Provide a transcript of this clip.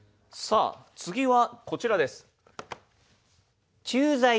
次はこちらです。